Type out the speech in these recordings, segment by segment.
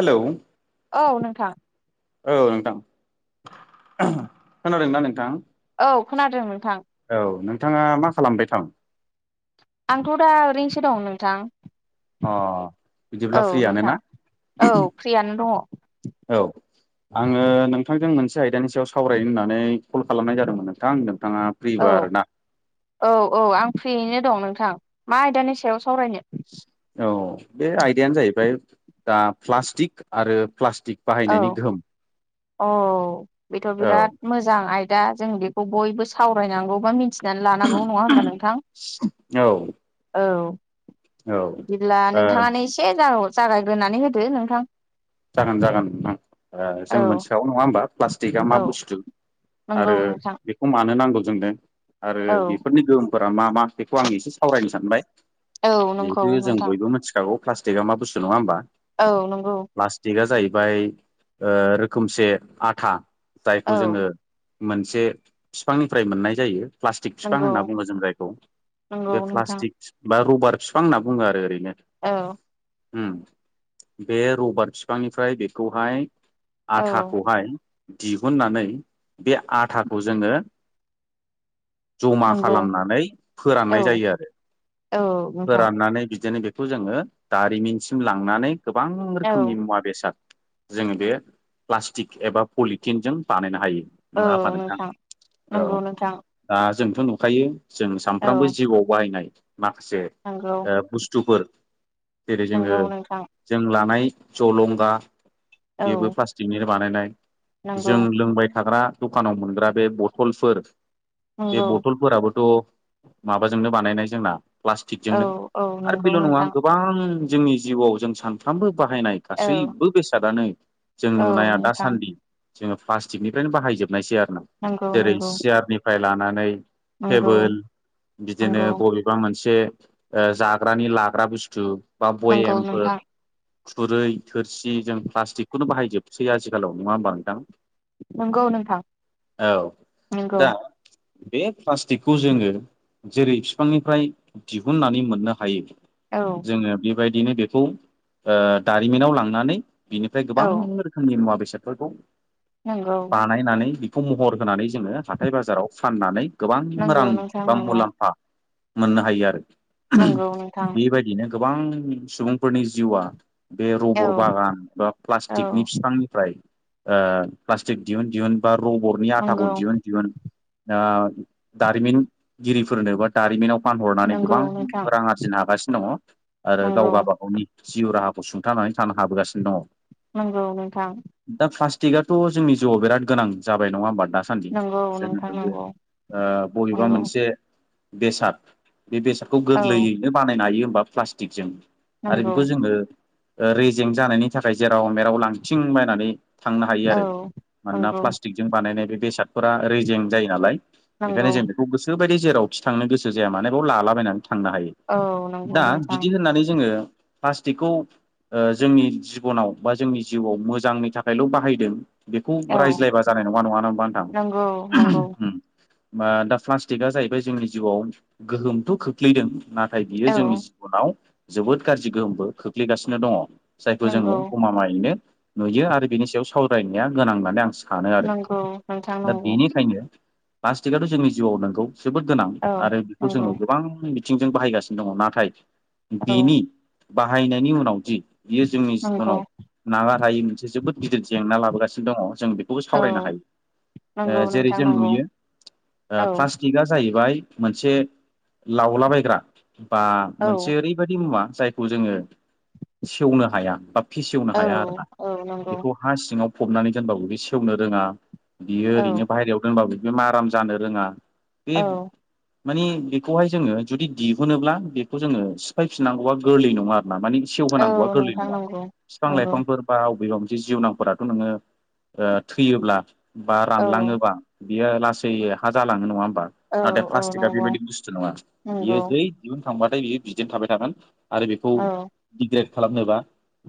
Hello औ नोंथां। औ नोंथां खोनादोंना नोंथां? औ खोनादों नोंथां बिथाङा मा खालामबाय दं आंथ' दा ओरैनोसो दं नोंथां अ बिदिब्ला औ फ्रियनो नोंथां ना औ फ्रियानो दङ औ आङो नोंथांजों मोनसे आयदानि सायाव सावरायनो होननानै कल खालामनाय जादोंमोन नोंथां नोंथाङा औ फ्रिबा आरोना औ औ आं फ्रियैनो दं नोंथां मा आयदानि सायाव सावरायनो औ बे आयदायानो जाहैबाय दा प्लास्टिक आरो प्लास्टिक औ बाहायनायनि गोहोम औ बेथ' औ बिराद मोजां आयदा जों बेखौ बयबो सावरायनांगौ बा मिथि नानै लानांगौ नङा होमबा नोंथां औ औ औ बिदिब्ला ओ नोंथाङानो एसे जव जागायग्रोनानै होदो नोंथां जागोन जागोन ओ औ जों मोनथिखागौ नङा होमबा प्लास्टिकआ मा औ बुस्थु नंगौ आरो नोंथां बेखौ मानो नांगौ आरो औ बेफोरनि गोहोमफोरा मा मा बेखौ आं एसे सावरायनो सानबाय औ नंगौ जिहेथु जों नोंथां बयबो मिथिखागौ प्लास्टिकआ मा बुस्थु नङा होनोमबा औ नंगौ प्लास्टिकआ जाहैबाय रोखोमसे आथा औ जायखौ जोङो मोनसे बिफांनिफ्राय मोननाय जायो प्लास्टिक बिफां नंगौ होनना बुङो जों जायखौ नंगौ बे नोंथां प्लास्टिक बा रबार बिफां होनना बुङो आरो ओरै औ उम बे रबारट बिफांनिफ्राय बेखौहाय औ आथाखौहाय दिहुननानै बे आथाखौ जोंङो जमा नंगौ खालामनानै औ फोराननाय जायो आरो औ नोंथां फोराननानै बिदिनो बे खौ जोङो दारिमिनसिम लांनानै गोबां खोमनि औ मुवा बेसाद जोङो बे प्लास्टिक एबा पलिथिनजों बानायनो हायो। नङा आफा नोंथां औ नंगौ नोंथां दा जों थ नुखायो जों औ सानफ्रामबो जिउआव बाहायनाय माखासे नंगौ ओ बुस्थुफोर जेरै जोङो नंगौ नोंथां जों लानाय जलंगा औ बेबो प्लास्टिकनि। बानायनाय नंगौ जों लोंबाय थाग्रा दखानाव मोनग्रा बे बथलफोर बे नंगौ बथलफोराबोथ माबाजोंनो बानायनाय जोंना। औ प्लास्टिकजोंनो औ आरो नंगौ बेल नङा नोंथां गोबां जोंनि जिउआव जों सानफ्रामबो बाहायनाय औ गासैबो बेसादानो जों औ नुनाया नोंथां दासान्दि जोङो प्लास्टिकनिफ्रायनो बाहायजोबनायसै आ नंगौ जेरै नंगौ सियारनिफ्राय लानानै नंगौ टेबोल बिदिनो नंगौ बबेबा मोनसे ओ जाग्रानि लाग्रा बुस्थु बा नंगौ भयेमफोर नोंथां खुरै थोरसि जों प्लास्टिकखौनो बाहायजोबसै आजिखालाव नङा होमबा नोंथां? नंगौ नोंथां औ नंगौ। दा बे प्लास्टिकखौ जोङो जेरै फिफांनिफ्राय दिहुननानै मोननो हायो औ जोङो बेबायदिनो बेखौ ओ दारिमिनाव लांनानै बिनिफ्राय औ गोबां रोखोमनि मुवा बेसादफोरखौ नंगौ बानायनानै बेखौ महर होनानै जोङो हाथाय बाजाराव फाननानै गोबां नंगौ रां नोंथां बा नंगौ मुलाम्फा मोननो हायो आरो ओहोम नंगौ नोंथां बेबायदिनो गोबां सुबुंफोरनि जिउआ बे औ रबर बागान बा औ प्लास्टिकनि फिफांनिफ्राय ओ प्लास्टिक दिहुन दिहुन बा रबरनि आथाखौ नंगौ दिहुन दिहुन आ दारिमिनगिरिफोरनो बा दारिमिनाव फानहरनानै नंगौ गोबां नोंथां रां आरजिनो हागासिनो दङ आरो नंगौ गावबा गावनि जिउ राहा सुंथानानै थानो हाबोगासिनो दङ नंगौ नोंथां दा फास्ट टिकआ थ जोंनि जिउआवराद गोनां जाबाय नङा होमबा न दासान्दि नंगौ जोङो नोंथां नयो नंगौ ओ बबेबा नंगौ मोनसे बेसाद बे बेसादखौ औ गोरलैयैनो बानायनो हायो होमबा प्लास्टिकजों आरो नंगौ बेखौ जोङो ओ रेजें जानायनि थाखाय जेर राव मेराव लांथिं बायनानै थांनो हायो औ आरो मानोना नंगौ प्लास्टिकजों बानायनाय बे बेसाद फोरा रेजें जायो नालाय ।बेखायनो नंगौ जों बेखौ गोसोबायदि जेरावखि थांनो गोसो जाया मानो बेवा लालाबायना थांनो हायो औ नंगौ दा नोंथां बिदि होननानै जोङो प्लास्टिकखौ ओ जोंनि जिबनाव बा जोंनि जिउआव मोजांनि थाखायल बाहायदों। बेखौ औ रायज्लायबा जानाय नङा नङा नोबा नोंथां। नंगौ नंगौ उम मा दा प्लास्टिकआ जाहैबाय जोंनि जिउआव गोहोमथ खोख्लैदों नाथाय बियो औ जोंनि जिबनाव जोबोद गाज्रि गोहोमबो खोख्लैगासिनो दङ। जायखौ जोङो नंगौ गमामायैनो नुयो आरो बिनि सायाव सावरायनाया गोनां होननानै आं सा सानो आरो नंगौ नोंथां दा नंगौ बेनिखायनो प्लास्टिकआथ जोंनि जिउआव नंगौ जोबोद गोनां औ आरो बेखौ नंगौ जोङो गोबां बि बिथिंजों बाहायगासिनो दङ नाथाय औ बिनि बाहायनायनि उनाव बियो जोंनि नंगौ जिबनाव नागार हायै मोनसे जोबोद गिदिर जेंना लाबोगासिनो दङ। जों बेखौबो सावरायनो औ हायो नंगौ ओ जेरै नोंथां जों नंगौ नुयो ओ औ प्लास्टिकआ जाहैबाय मोनसे लावलाबायग्रा बा औ मोनसे ओरैबायदि मुवा जायखौ जोङो सेवनो हाया बा फिसेवनो औ हाया आरोना औ नंगौ बेखौ हा सिङाव फबनानै दोनबाबो उदै सेवनो रोङा बियो औ ओरैनो बाहेरायाव दोनबाबो बि माराम जानो रोङा बे औ मानि बेखौहाय जोङो जुदि दिहुनोब्ला बेखौ जोङो सिफायफिननांगौआ गोरलै नङा। माबानि सेव औ होनांगौ आगोरलै नोंथां नङा नंगौ बिफां नंगौ लाइफांफोर बा वबेबा जिउनांफोरा थ नोङो ओ थैयोब्ला बा औ रानलाङोबा बियो लासै हा जालाङो नङा होमबा! औ नाथाय औ प्लास्टिकआ नंगौ बेबायदि बुस्थु नङा बियो नंगौ जै दिहुन खांबाथाय बियो बिदिनो थाबाय थागोन आरो बेखौ औ डिग्रेड खालामनोबा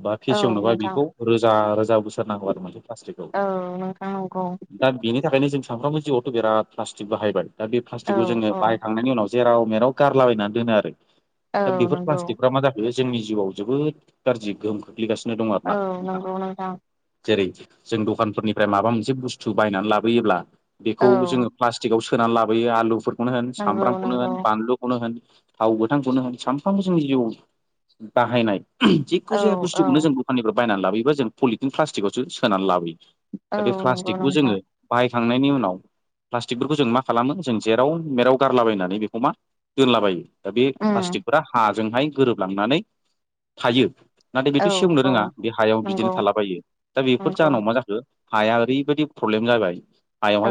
बा औ फेसेवनोबा नोंथां बेखौ रोजा रोजा बोसोर सोरनांगौ आरो मोनसे पास्टिकखौ औ नोंथां नंगौ दा बेनि थाखायनो जों। सानफ्रोमबो जिउआवथ' बिराद प्लास्टिक बाहायबाय दा बे औ प्लास्टिकखौ जोङो औ बाहायखांनायनि उनाव जेराव मेराव गारलाबायनानै दोनो आरो औ दा बेफोर नंगौ प्लास्टिकफ्रा मा जाखो जोंनि जिउआव जोबोद गाज्रि गोहोम खोख्लैगासिनो दं औ आरोना नोंथां नंगौ नोंथां जेरै जों दखानफोरनिफ्राय माबा मोनसे बुस्थु बायनानै लाबोयोब्ला औ बेखौ जोङो प्लाटिकाव सो सोनानै लाबोयो आलुफोरखौनो होन नंगौ सामब्रामखौनो होन नंगौ बानलुखौनो होन थाव गोथांखौनो होन सानफ्रामबो जोंनि जिउआव बाहायनाय औ जेखु जाया औ बुस्थुखौनो जों दखाननिफ्राय बायनानै लाबोयोबा जों पलिटिन प्लास्टिकआवसो सोनानै लाबोयो औ दा बे नंगौ प्लास्टिकखौ नोंथां जोङो बाहायखांनायनि उनाव प्लास्टिकफोरखौ जों मा खालामो जों जेराव मेराव गारलाबायनानै बेखौ मा दोनलाबायो दा बे उम प्लास्टिकफोरा हाजोंहाय गोरोबलांनानै थायो नाथाय औ बेथ' सेवनो औ रोङा बे हायाव नंगौ बिदिनो थालाबायो दा बेफोर नंगौ जाहोनाव मा जाखो हाया ओरैबायदि प्रब्लेम जाबाय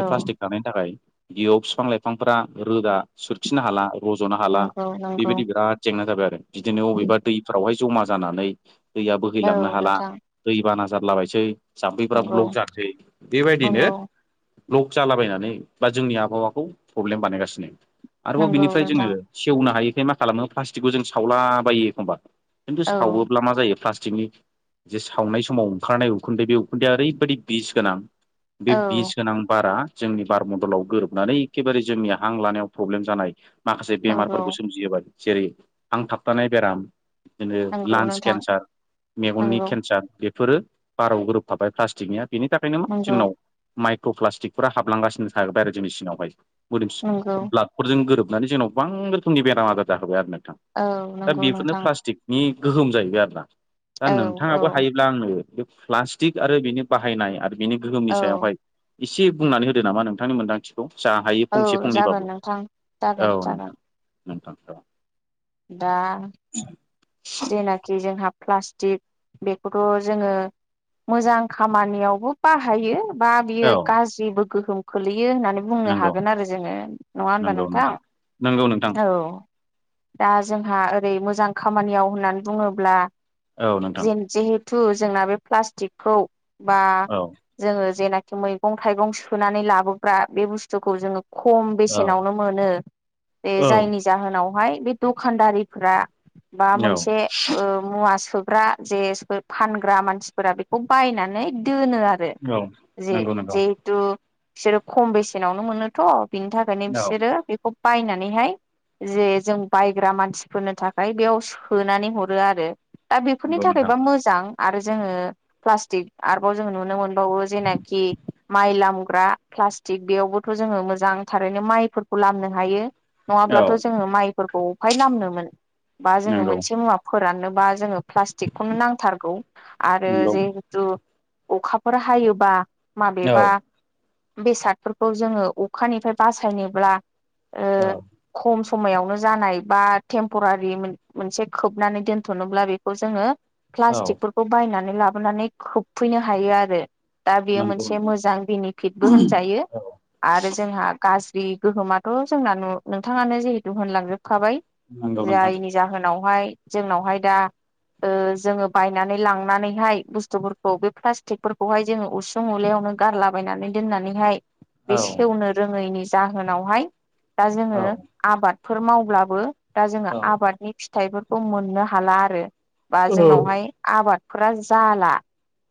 औ प्लास्टिक थानायनि थाखाय बेयाव बिफां लाइफांफोरा रोदा सोरखिनो हाला रज'नो हाला नंगौ नंगौ बेबायदि बिराद जेंना जाबाय आरो बिदिनो बबेबा दैफोरावहाय जमा जानानै दैया औ बोहैलांनो हाला नोंथां दैबाना जारलाबायसै जाम्फैफ्रा नंगौ ब्लक जानोसै बेबायदिनो, नंगौ ब्ल'क जालाबायनानै बा जोंनि आबहावाखौ प्रब्लेम बानायगासिनो। आरोबाव नंगौ बिनिफ्राय जोङो नोंथां सेवनो हायिखाय मा खालामो प्लास्टिकखौ जों सावलाबायो एखमबा। खिन्थु औ सावोब्ला मा जायो फ्लास थिकनि जे सावनाय समाव ओंखारनाय उखुन्दै बे उखुन्दैआ ओरैबायदि बिस गोनां बे औ बिस गोनां बारा जोंनि बार मण्ड'लाव गोरोबनानै एखेबारे जोंनि हां लानायाव प्रब्लेम जानाय माखासे नंगौ बेमारफोरखौ सोमजिहोबाय, जेरै हांथाबथानाय बेराम बिदिनो नंगौ लान्स नोंथां केन्सार, मेगननि नंगौ केन्सार, बेफ फोरो बाराव गोरोबफाबाय प्लास्टिकनिया बेनि थाखायनो मा नंगौ जोंनाव माइक्र'प्लास्टिकफोरा हाबलांगासिनो थाबाय आरो जोंनि सिंआवहाय, मोदोम नंगौ ब्लादफोरजों गोरोब होनानै जोंनाव गोबां रोखोमनि बेराम आजार जाहोबाय आरो ना? औ नंगौ नोंथां। गोहोम जाहैबाय आरोना, दा औ औ नोंथाङाबो हायोब्ला आंनो बे प्लास्टिक आरो बेनि बाहायनाय आरो बेनि गोहोमनि औ सायावहाय। इसे बुंनानै होदो नामा नोंथांनि मोन्दांथिखौ जा हायो औ फंसे जागोन फंनैबाबो, नोंथां औ जागोन जागोन नोंथां, नोंथां र'। दा जेनाखि जोंहा प्लास्टिक, बेखौथ' जोङो मोजां खामानियावबो बाहायो बा बियो औ गाज्रिबो गोहोम खोलैयो। बियो होननानै बुंनो नंगौ हागोन आरो जोङो नङा होनबा नोंथां, नंगौ नोंथां औ। दा जोंहा ओरै मोजां खामानियाव होननानै बुङोब्ला औ नोंथां जेन जिहेत थु जोंना बे प्लास्टिकखौ बा औ जोङो जेनाखि मैगं थाइगं सोनानै लाबोग्रा बे बुस्थुखौ जोङो खम औ बेसेनावनो मोनो, बे औ जायनि जाहोनावहाय बे दखानदारिफोरा बा औ नंगौ मोनसे ओ म ना सोग्रा जेज फानग्रा मानसिफोरा बिखौ बायनानै दो होनो आरो जे नंगौ जिहेथु बिसोरो खम बेसेनावनो मोनोथ' बिनि थाखायनो औ बिसोरो बेखौ बायनानैहाय जे जों बायग्रा मानसिफोरनो थाखाय बेयाव सो नानै हरो आरो दा बेफोरनि नंगौ नोंथां थाखायबा मोजां। आरो जोङो प्लास्टिक आरोबाव जों नुनो मोनबावो जेनाखि माइ लामग्रा प्लास्टिक बेयावबोथ' जोङो मोजां थारैनो माइफोरखौ लामनो हायो। औ नङाब्लाथ' जोङो माइफोरखौ अफाय लामनो मोन बा जोङो नंगौ मोन मुवा फोराननोबा जोङो प्लास्टिकखौनो नांथारगौ आरो नंगौ जिहेथु अखाफोर हायोबा औ माबेबा बेसादफोरखौ जोङो अखानिफ्राय बासायनोब्ला ओ औ खम समायावनो जानाय बा टेम्परारि मोनसे खोबनानै दोनथ'नोब्ला बेखौ जोङो औ प्लास्टिकफोरखौ बायनानै लाबोनानै होबफैनो हायो आरो दा बेयो नंगौ मोनसे नोंथां मोजां बेनिफिटबो होनजायो औ आरो जोंहा गाज्रि दै गोहोमाथ' जोंना न नोंथाङानो जिहेथु होनलांजोबखाबाय नंगौ नोंथां जायनि जाहोनाव जोंनावहाय दा ओ जोङो बायनानै लांनानैहाय बुस्थुफोरखौ बे प्लास्टिकफोरखौहाय जोङो उसुं उलायाव नो गारलाबायनानै दोननानैहाय बे औ सेवनो रोङैनि जाहोनावहाय दा जोङो औ आबाद फोर मावब्लाबो दा जोङो औ आबादनि फिथाइफोरखौ मोननो हाला आरो बा जोंनावहाय आबादफोरा जाला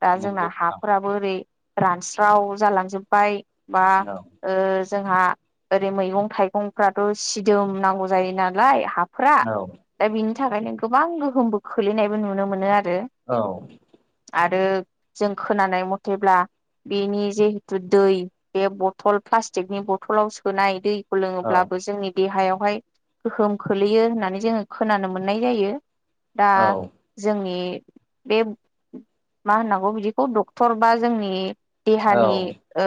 दा जोंना नंगौ नोंथां हाफोराबो ओरै रानस्राव जालांजोब्बाय बा जोंहा ओरै मैगं थाइगंफ्राथ' सिदोम नांगौ जायो नालाय हाब फोर औ दा बिनि थाखायनो गोबां गोहोमबो खोलैनायबो नुनो मोनो आरो औ आरो जों खोनानाय मथेब्ला बेनि जिहेतु दै बे बथल प्लास्टिकनि बथलाव सोनाय दै औ सोलोङोब्लाबो जोंनि देहायावहाय गोहोम खोल्लैयो होननानै जोङो खोनानो मोननाय जायो। दा औ जोंनि बे मा होननांगौ बिदिखौ डक्टर बा जोंनि देहानि औ ओ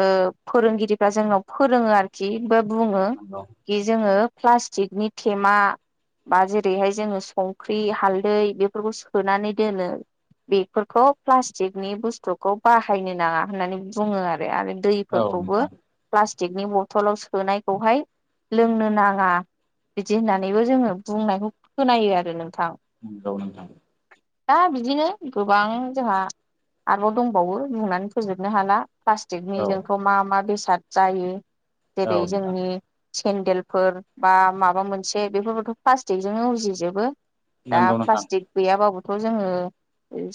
फोरोंगिरिफ्रा जोंनाव फोरोङो आरोखि बुङो नंगौ जे जोङो प्लष्टिकनि टेमा बा जेरैहाय जोङो संख्रि हालदै बेफोरखौ सोनानै दोनो बेफोरखौ प्लास्टिकनि बुस्थुखौ बाहायनो नाङा होननानै बुङो आरो। बे आरो औ दैफोरखौबो नोंथां प्लाष्टिक नि बथलाव सोनायखौहाय लोंनो नाङा बिदि होननानैबो जोङो बुंनायखौ खोनायो आरो। नोंथां नंगौ नोंथां। दा बिदिनो गोबां जोंहा आरोबाव दंबावो बुंनानै फोजोबनो हाला। औ प्लास्टिकनिजोंथ' मा मा बेसाद जायो औ जेरै नोंथां जोंनि सेन्देलफोर बा माबा मोनसे बेफोरबोथ' प्लास्टिकजोंनो उजिजोबो। दा नंगौ नोंथां प्लास्टिक गैयाबाबोथ' जोङो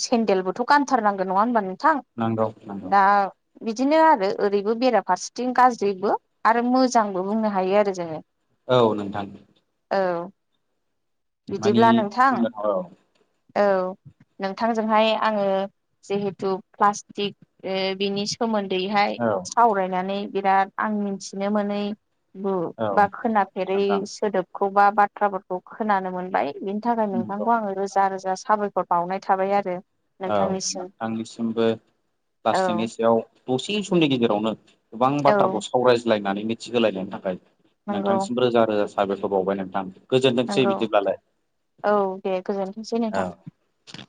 सेन्देलबोथ' गानथारनांगोन नङा होनबा नोंथां। नांगौ नांगौ। दा बिदिनो आरो ओरैबो बेराफारसेथिं गाज्रिबो आरो मोजांबो बुंनो हायो आरो जोङो। औ नोंथां। औ मानि बिदिब्ला नोंथां बुंनो औ औ नोंथांजोंहाय आङो जिहेथु प्लास्टिक ओ बिनि सोमोन न्दैहाय औ सावरायनानै बिराद आं मिथिनो मोनै बो औ बा खोनाफेरै नोंथां सोदोबखौ बा बाथ्राफोरखौ खोनानो मोनबाय। बेनि थाखाय नोंथांखौ नंगौ आङो नोंथां रोजा रोजा साबायखर बावनाय थाबाय आरो। औ नोंथांनिसिम नोंथांनिसिमबो औ प्लाष्टिकनि सायाव दसे समनि गेजेरावनो गोबां औ बाथ्राखौ सावरायज्लायनानै मिथिहोलायनायनि थाखाय नंगौ नोंथांसिम रोजा रोजा साबायखर बावबाय नोंथां। गोजोनथोंसै नंगौ बिदिब्लालाय औ दे गोजोनथोंसै नोंथां औ।